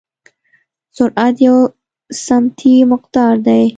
سرعت یو سمتي مقدار دی.